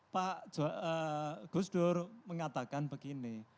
pak gus dur mengatakan begini